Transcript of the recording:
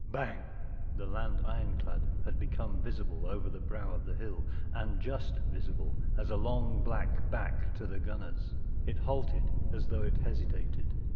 “ Bang! ” The land ironclad had become visible over the brow of the hill, and just visible as a long black back to the gunners. It halted, as though it hesitated.